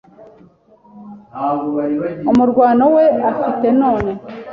Umurwano we afite none